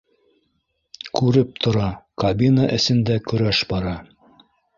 Күреп тора, кабина эсендә көрәш бара